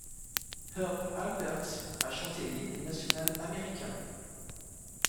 Herb Alpert a chanté l'hymne national américain.